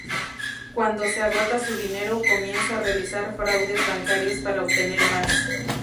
Cuando se agota su dinero, comienza a realizar fraudes bancarios para obtener más.